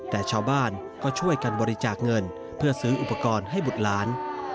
แต่ชาวบ้านก็ช่วยกันบริจาคเงินเพื่อซื้ออุปกรณ์ให้บุตรหลาน